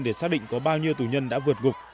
để xác định có bao nhiêu tù nhân đã vượt gục